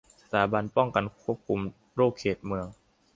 สถาบันป้องกันควบคุมโรคเขตเมือง